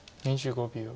２５秒。